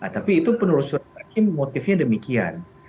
tapi itu penurut surat hakim motifnya demikian